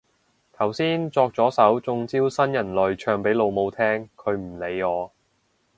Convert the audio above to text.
頭先作咗首中招新人類唱俾老母聽，佢唔理我